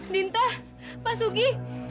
dinta pak sugi